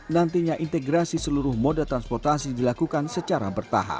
nantinya integrasi seluruh moda transportasi dilakukan secara bertahap